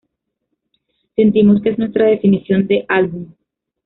Sentimos que es nuestra definición de álbum.